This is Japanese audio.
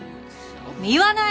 言わない！